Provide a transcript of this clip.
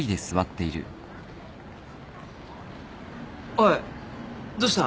おいどうした？